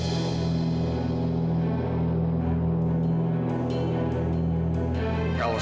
daripada yang semestinya